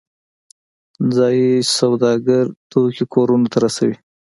ځایی سوداګر توکي کورونو ته رسوي